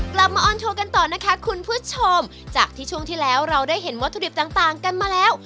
มาออนทัวร์กันต่อนะคะคุณผู้ชมจากที่ช่วงที่แล้วเราได้เห็นวัตถุดิบต่างต่างกันมาแล้ว